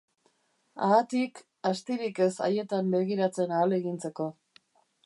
Haatik, astirik ez haietan begiratzen ahalegintzeko.